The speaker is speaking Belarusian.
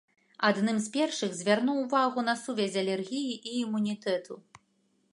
Адным з першых звярнуў увагу на сувязь алергіі і імунітэту.